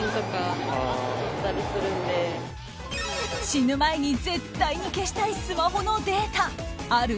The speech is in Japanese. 死ぬ前に絶対に消したいスマホのデータある？